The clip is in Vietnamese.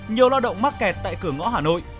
nhiều lao động mắc kẹt tại cửa ngõ hà nội